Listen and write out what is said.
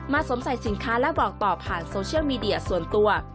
สวมใส่สินค้าและบอกต่อผ่านโซเชียลมีเดียส่วนตัว